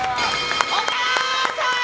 お母さーん！